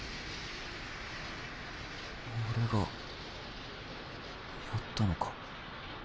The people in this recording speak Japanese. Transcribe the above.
俺がやったのか